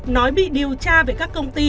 nói bị điều tra về các công ty